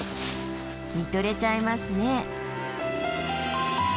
見とれちゃいますね。